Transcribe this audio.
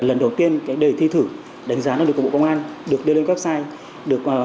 lần đầu tiên đề thi thử đánh giá được bộ công an được đưa lên website